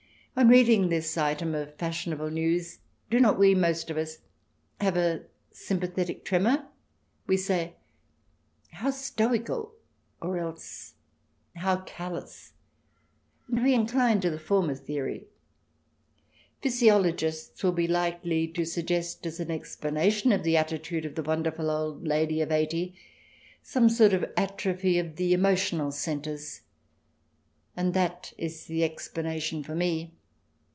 On reading this item of fashionable news do not we, most of us, have a sympathetic tremor ? We say, " How stoical !" or else, " How callous I" and we incline to the former theory. Physiologists will be likely to suggest as an explanation of the attitude of the wonderful old lady of eighty, some sort of atrophy of the emotional centres, and that is the explanation for me.